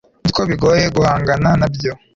nzi ko bigoye guhangana nabyo